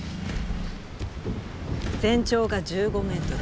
全長が１５ｍ。